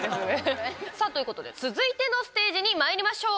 さあということで続いてのステージにまいりましょう。